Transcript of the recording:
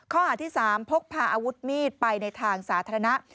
ข้อหาที่๓พกพาอาวุธมีดไปในทางสาธารณะ